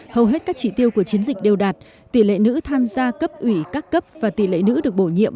hầu hết các chỉ tiêu của chiến dịch đều đạt tỷ lệ nữ tham gia cấp ủy các cấp và tỷ lệ nữ được bổ nhiệm